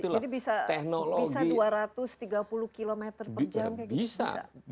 jadi bisa dua ratus tiga puluh km per jam